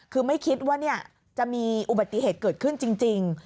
คือไม่คิดว่าจะมีอุบัติเหตุเกิดขึ้นจริง